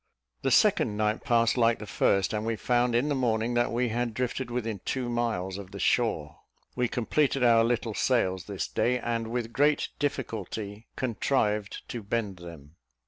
The second night passed like the first; and we found, in the morning, that we had drifted within two miles of the shore. We completed our little sails this day, and with great difficulty contrived to bend them.